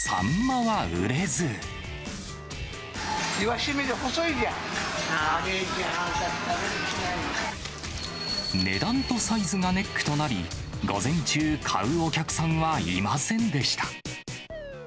あれじゃあ私、値段とサイズがネックとなり、午前中、買うお客さんはいませんでした。